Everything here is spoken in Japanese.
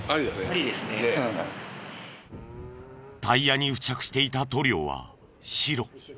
タイヤに付着していた塗料は白。